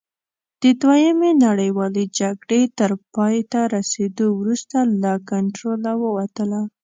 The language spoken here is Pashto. د دویمې نړیوالې جګړې تر پایته رسېدو وروسته له کنټروله ووتله.